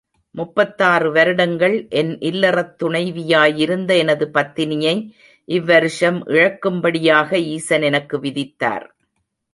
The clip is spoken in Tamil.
முப்பத்தாறு வருடங்கள் என் இல்லறத் துணைவியாயிருந்த எனது பத்தினியை இவ்வருஷம் இழக்கும்படியாக ஈசன் எனக்கு விதித்தார்.